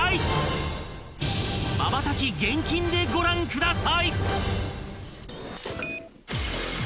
［まばたき厳禁でご覧ください］